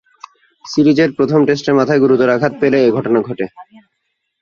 সিরিজের প্রথম টেস্টে মাথায় গুরুতর আঘাত পেলে এ ঘটনা ঘটে।